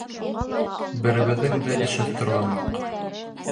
Беребеҙҙең дә эшһеҙ торғаны юҡ.